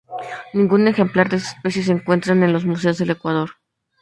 Ningún ejemplar de esta especie se encuentran en los museos del Ecuador.